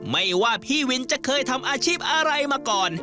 ไม่ว่าพี่วินจะเคยทำอาชีพอะไรมาก่อน